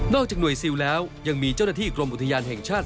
จากหน่วยซิลแล้วยังมีเจ้าหน้าที่กรมอุทยานแห่งชาติ